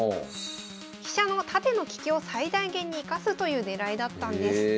飛車の縦の利きを最大限に生かすという狙いだったんです。